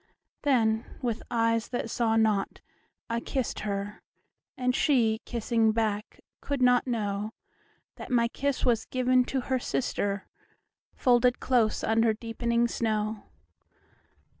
Then, with eyes that saw not, I kissed her; And she, kissing back, could not knowThat my kiss was given to her sister, Folded close under deepening snow.